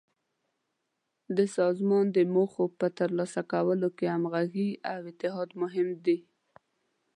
د سازمان د موخو په تر لاسه کولو کې همغږي او اتحاد مهم دي.